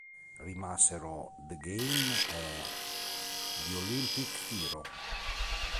Rimasero "The Game" e "The Olimpic Hero".